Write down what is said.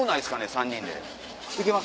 ３人で。